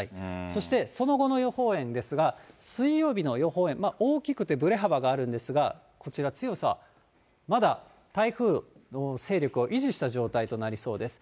そしてその後の予報円ですが、水曜日の予報円、大きくてぶれ幅があるんですが、こちら、強さはまだ台風の勢力を維持した状態となりそうです。